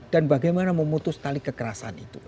dan bagaimana memutus tali kekerasan itu